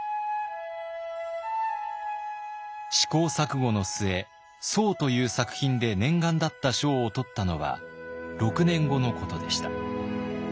試行錯誤の末「」という作品で念願だった賞を取ったのは６年後のことでした。